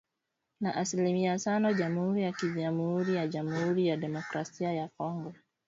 na asilimia tano Jamhuri ya KiJamuhuri ya Jamuhuri ya Demokrasia ya Kongo